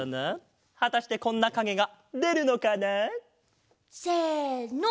はたしてこんなかげがでるのかな？せの！